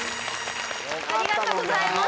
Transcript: ありがとうございます。